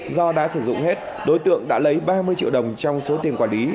do đã sử dụng hết đối tượng đã lấy ba mươi triệu đồng trong số tiền quản lý